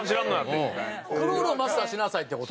クロールをマスターしなさいって事？